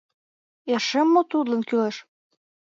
Эше мо тудлан кӱлеш?